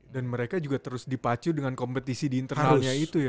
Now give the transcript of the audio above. dan mereka juga terus dipacu dengan kompetisi di internalnya itu ya